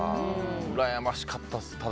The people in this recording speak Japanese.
うらやましかったです。